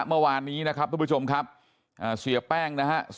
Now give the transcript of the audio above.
เมื่อวานนี้นะครับทุกผู้ชมครับเสียแป้งนะฮะ